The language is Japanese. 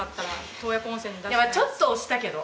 ちょっと押したけど。